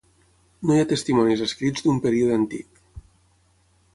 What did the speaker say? No hi ha testimonis escrits d'un període antic.